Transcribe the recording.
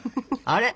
あれ？